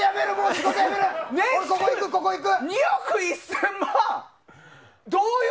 年収２億１０００万？